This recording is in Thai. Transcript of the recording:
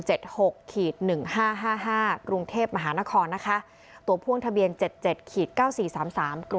หกขีดหนึ่งห้าห้ากรุงเทพมหานครนะคะตัวพ่วงทะเบียนเจ็ดเจ็ดขีดเก้าสี่สามสามกรุง